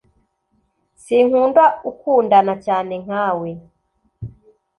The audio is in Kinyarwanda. sinkunda; ukundana cyane nkawe